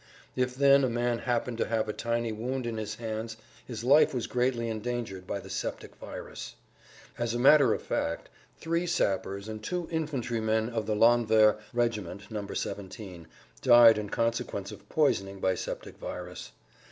If then a man happened to have a tiny wound in his hands his life was greatly endangered by the septic virus. As a matter of fact three sappers and two infantrymen of the landwehr regiment No. 17 died in consequence of poisoning by septic virus.